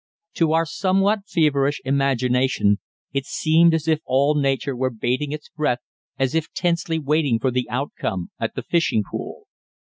To our somewhat feverish imagination it seemed as if all nature were bating its breath as if tensely waiting for the outcome at the fishing pool.